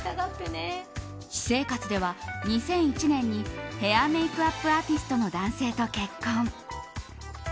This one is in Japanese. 私生活では２００１年にヘアメイクアップアーティストの男性と結婚。